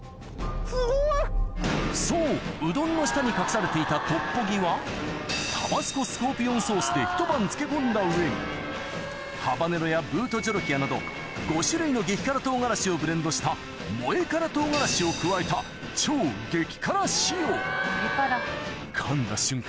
そううどんの下に隠されていたトッポギはでひと晩漬け込んだ上にハバネロやブート・ジョロキアなど５種類の激辛唐辛子をブレンドした燃辛唐辛子を加えた超激辛仕様かんだ瞬間